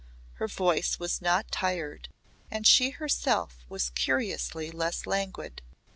Her voice was not tired and she herself was curiously less languid.